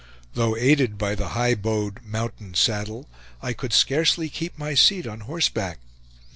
Though aided by the high bowed "mountain saddle," I could scarcely keep my seat on horseback.